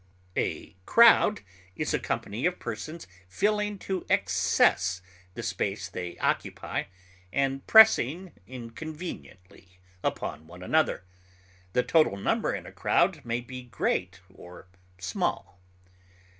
A crowd is a company of persons filling to excess the space they occupy and pressing inconveniently upon one another; the total number in a crowd may be great or small.